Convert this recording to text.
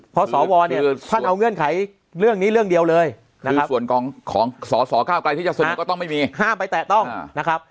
เพราะสวเนี่ยท่านเอาเงื่อนไขเรื่องนี้เรื่องเดียวเลยคือส่วนของสสเก้าไกลที่จะเสนอก็ต้องไม่มีห้ามไปแตะต้องนะครับ